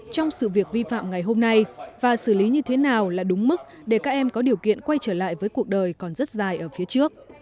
trong sự việc vi phạm ngày hôm nay và xử lý như thế nào là đúng mức để các em có điều kiện quay trở lại với cuộc đời còn rất dài ở phía trước